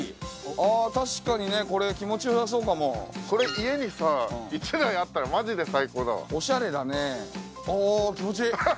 あ確かにねこれ気持ちよさそうかもこれ家にさ１台あったらマジで最高だわオシャレだねああ気持ちいい！